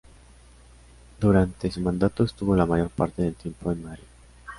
Durante su mandato estuvo la mayor parte del tiempo en Madrid.